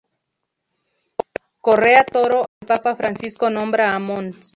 Correa Toro, el Papa Francisco nombra a mons.